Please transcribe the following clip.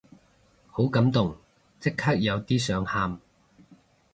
好感動，即刻有啲想喊